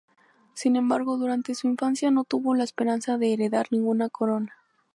Sin embargo, durante su infancia no tuvo la esperanza de heredar ninguna corona.